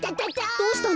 どうしたの？